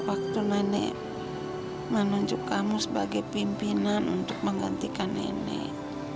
waktu nenek menunjuk kamu sebagai pimpinan untuk menggantikan nenek